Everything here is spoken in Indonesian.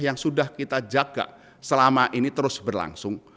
yang sudah kita jaga selama ini terus berlangsung